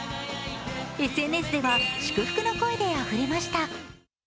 ＳＮＳでは祝福の声であふれました。